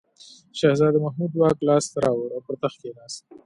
شهزاده محمود واک لاس ته راوړ او پر تخت کښېناست.